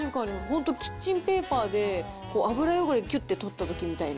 本当、キッチンペーパーで油汚れ、きゅって取ったときみたいな。